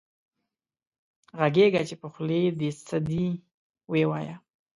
غږېږه چې په خولې دې څه دي وې وايه